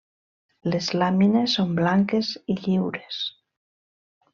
Les làmines són blanques i lliures.